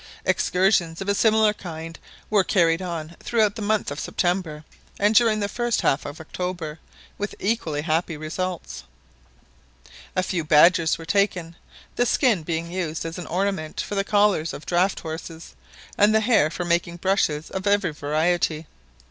Excursions of a similar kind were carried on throughout the month of September, and during the first half of October, with equally happy results. A few badgers were taken, the skin being used as an ornament for the collars of draught horses, and the hair for making brushes of every variety.